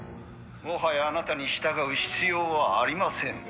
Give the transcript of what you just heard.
「もはやあなたに従う必要はありません」